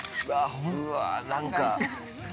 うわ何か。